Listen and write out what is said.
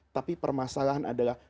tapi permasalahan adalah